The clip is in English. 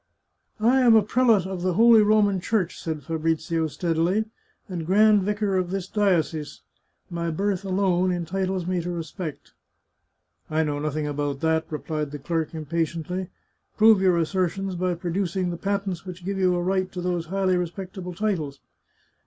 " I am a prelate of the Holy Roman Church," said Fabrizio steadily, " and grand vicar of this diocese; my birth alone entitles me to respect." " I know nothing about that," replied the clerk impu dently. " Prove your assertions by producing the patents which give you a right to those highly respectable titles."